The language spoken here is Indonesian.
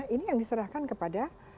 ini yang diserahkan kepada